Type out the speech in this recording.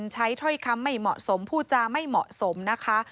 ถ้อยคำไม่เหมาะสมผู้จาไม่เหมาะสมนะคะ